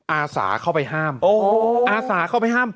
อาสาเข้าไปห้าม